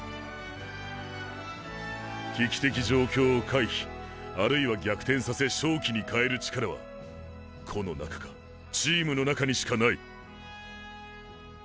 危機的状況を回避あるいは逆転させ勝機に代える力は個の中かチームの中にしかない！！